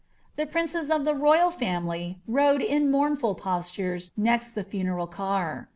The prince* of tlie royal family rode in moumAil postures neit the funeral car.